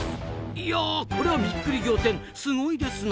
いやこりゃびっくり仰天すごいですなあ！